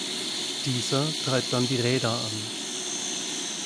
Dieser treibt dann die Räder an.